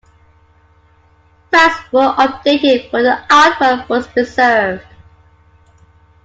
Facts were updated but the artwork was preserved.